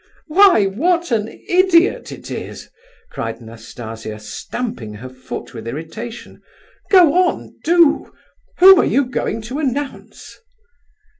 "Why, what an idiot it is!" cried Nastasia, stamping her foot with irritation. "Go on, do! Whom are you going to announce?"